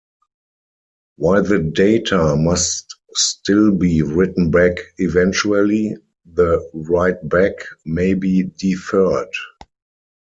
While the data must still be written back eventually, the write-back may be deferred.